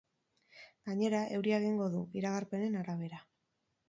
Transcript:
Gainera, euria egingo du, iragarpenen arabera.